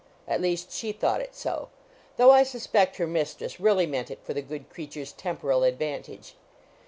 At least she thought it so; though I suspect her mistress really meant it for the good creature's temporal advantage.